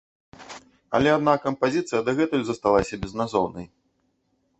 Але адна кампазіцыя дагэтуль засталася безназоўнай.